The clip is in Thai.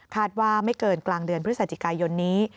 ว่าไม่เกินกลางเดือนพฤศจิกายนนี้